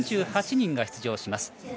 ４８人が出場します。